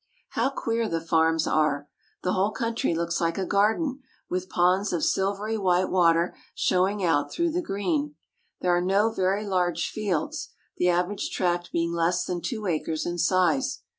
How queer the farms are ! The whole country looks "— the waterproof cloak of Japan." like a garden, with ponds of silvery white water showing out through the green. There are no very large fields, the average tract being less than two acres in size.